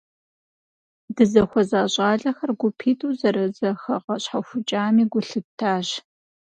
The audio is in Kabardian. Дызыхуэза щIалэхэр гупитIу зэрызэхэгъэщхьэхукIами гу лъыттащ.